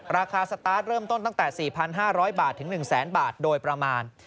ราคาสตาร์ทเริ่มต้นตั้งแต่๔๕๐๐บาทถึง๑แสนบาทโดยประมาณ